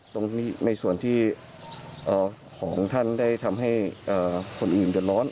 ในส่วนที่ของท่านได้ทำให้คนอื่นเดือดร้อน